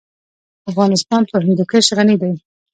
افغانستان په هندوکش غني دی.